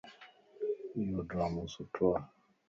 ايوڊرامو سڻھوَ